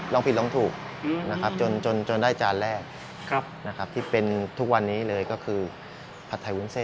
ร้องผิดร้องถูกนะครับจนได้จานแรกนะครับที่เป็นทุกวันนี้เลยก็คือผัดไทยวุ้นเส้น